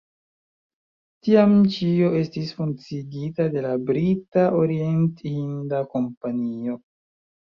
Tiam ĉio estis funkciigita de la Brita Orienthinda Kompanio.